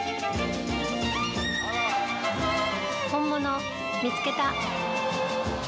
本物見つけた。